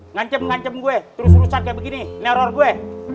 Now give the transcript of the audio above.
ngancam ngancem gue terus terusan kayak begini neror gue